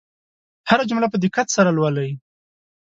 هره جمله په دقت سره لولئ.